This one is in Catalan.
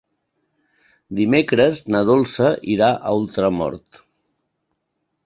Dimecres na Dolça irà a Ultramort.